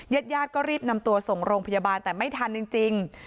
ญาติญาติก็รีบนำตัวส่งโรงพยาบาลแต่ไม่ทันจริง